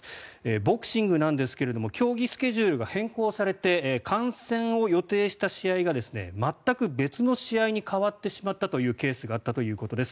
ボクシングなんですけれども競技スケジュールが変更されて観戦を予定した試合が全く別の試合に変わってしまったというケースがあったということです。